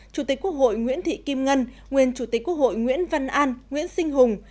chủ tịch quốc hội nguyễn thị kim ngân nguyên chủ tịch quốc hội nguyễn văn an nguyễn sinh hùng